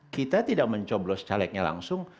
kita tidak mencoblos calegnya langsung